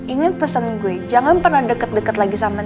ingin pesan gue jangan pernah deket deket lagi sama